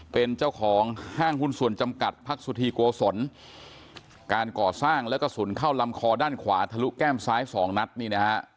เป็นเจ้าของห้างหุ้นส่วนจำกัดพักสุธีโกศลการก่อสร้างและกระสุนเข้าลำคอด้านขวาทะลุแก้มซ้ายสองนัดนี่นะฮะ